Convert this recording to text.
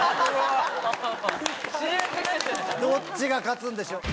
どっちが勝つんでしょう？